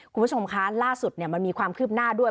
คุณผู้ชมคะล่าสุดมันมีความคืบหน้าด้วย